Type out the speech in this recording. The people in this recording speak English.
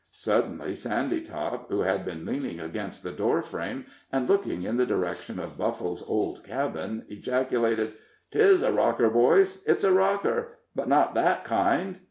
Suddenly Sandytop, who had been leaning against the door frame, and, looking in the direction of Buffle's old cabin, ejaculated: "'Tis a rocker, boys it's a rocker, but but not that kind."